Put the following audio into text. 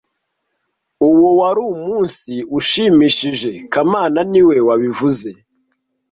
Uwo wari umunsi ushimishije kamana niwe wabivuze